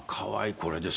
これです。